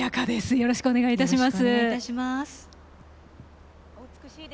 よろしくお願いします。